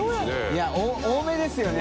い多めですよね。